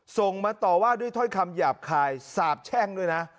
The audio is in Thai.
ส่งมาต่อว่าด้วยถ้อยคำหยาบคายสาบแช่งด้วยนะ